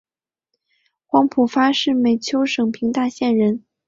黄晋发是美湫省平大县人。